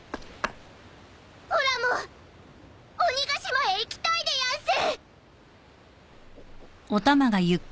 おらも鬼ヶ島へ行きたいでやんす。